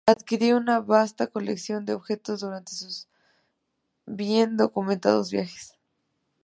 Adquirió una vasta colección de objetos durante sus bien documentados viajes.